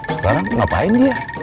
sekarang ngapain dia